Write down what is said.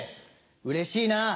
うれしいな。